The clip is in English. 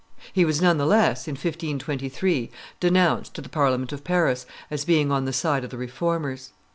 He was none the less, in 1523, denounced to the Parliament of Paris as being on the side of the Reformers.